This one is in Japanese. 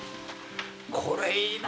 これいいな！